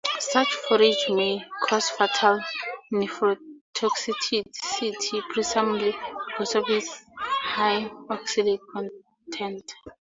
Such forage may cause fatal nephrotoxicity, presumably because of its high oxalate content.